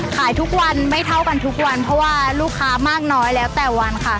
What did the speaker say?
ขายทุกวันไม่เท่ากันทุกวันเพราะว่าลูกค้ามากน้อยแล้วแต่วันค่ะ